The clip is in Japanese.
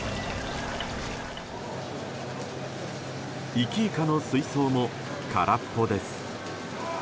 活イカの水槽も空っぽです。